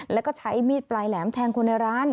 แล้วก็ใช้มีดปลายแหลมแทงคนในร้าน